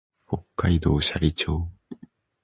北海道斜里町